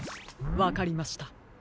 わかりました。